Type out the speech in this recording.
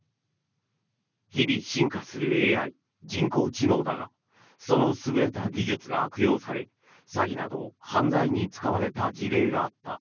日々進化するＡＩ・人工知能だがその優れた技術が悪用され詐欺など犯罪に使われた事例があった。